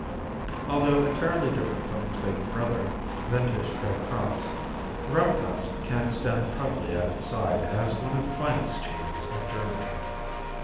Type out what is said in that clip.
Although entirely different from its big brother, vintage Bergkäse, Rahmkäse can stand proudly at its side as one of the finest cheeses in Germany.